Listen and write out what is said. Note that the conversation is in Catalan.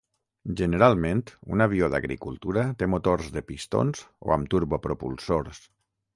Generalment un avió d'agricultura té motors de pistons o amb turbopropulsors.